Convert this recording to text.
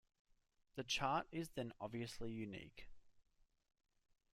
The chart is then obviously unique.